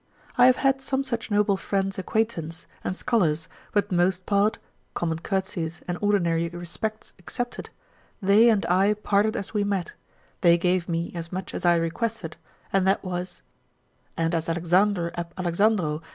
I have had some such noble friends' acquaintance and scholars, but most part (common courtesies and ordinary respects excepted) they and I parted as we met, they gave me as much as I requested, and that was—And as Alexander ab Alexandro Genial.